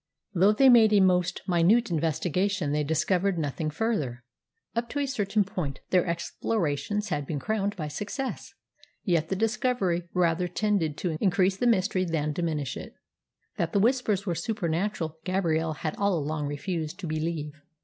Though they made a most minute investigation they discovered nothing further. Up to a certain point their explorations had been crowned by success, yet the discovery rather tended to increase the mystery than diminish it. That the Whispers were supernatural Gabrielle had all along refused to believe.